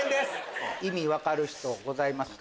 意味分かる人ございますか？